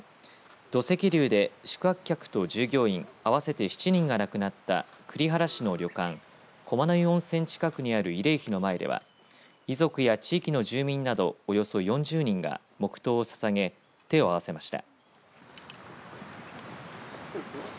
土石流で宿泊客と従業員合わせて７人が亡くなった栗原市の旅館駒の湯温泉近くにある慰霊碑の前では遺族や地域の住民などおよそ４０人が黙とうをささげ手を合わせました。